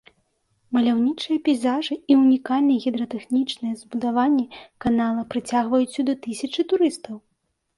Маляўнічыя пейзажы і ўнікальныя гідратэхнічныя збудаванні канала прыцягваюць сюды тысячы турыстаў.